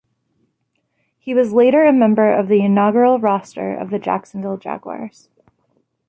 He was later a member of the inaugural roster of the Jacksonville Jaguars.